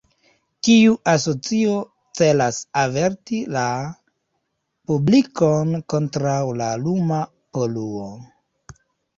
Tiu asocio celas averti la publikon kontraŭ la luma poluo.